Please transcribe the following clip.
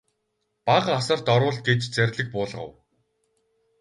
Бага асарт оруул гэж зарлиг буулгав.